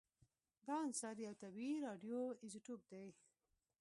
دا عنصر یو طبیعي راډیو ایزوتوپ دی